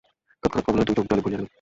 তৎক্ষণাৎ কমলার দুই চোখ জলে ভরিয়া গেল।